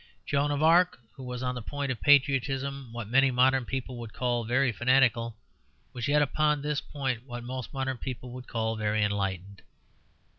Joan of Arc, who was on the point of patriotism what many modern people would call very fanatical, was yet upon this point what most modern people would call very enlightened.